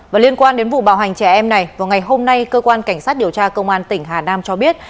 và liên quan đến vụ bạo hành trẻ em này vào ngày hôm nay cơ quan cảnh sát điều tra công an tỉnh hà nam cho biết